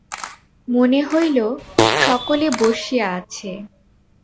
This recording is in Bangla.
মনে হইল, সকলে বসিয়া আছে।